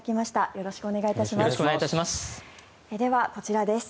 よろしくお願いします。